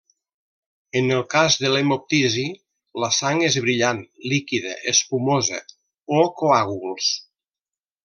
En el cas de l'hemoptisi la sang és brillant, líquida, espumosa o coàguls.